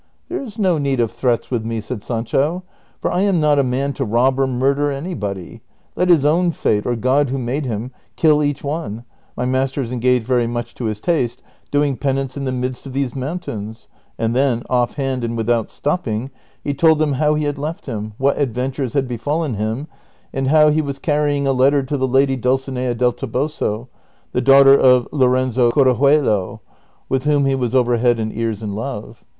" There is no need of threats with me," said Sancho, " for I am not a man to rob or murder anybody ; let his own fate, or God who made him, kill each one ; my master is engaged very much to his taste doing penance in the midst of these moun tains ;" and then, offhand and without stopping, he told them how he had left him, what adventures had befallen him, and how he was carrying a letter to the lady Dulcinea del Toboso, 208 DON QUIXOTE. the daughter of Lorenzo Corchuelo, with whom he was over head and ears in love.